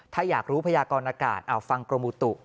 ถ้าอยากรู้พยากรอากาศฟังกรมอุตุ